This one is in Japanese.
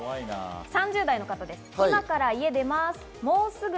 ３０代の方です。